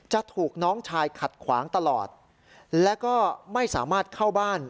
จะถูกน้องชายขัดขวางตลอดและก็ไม่สามารถเข้าบ้าน